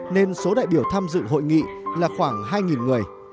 nên số đại biểu tham dự hội nghị là khoảng hai người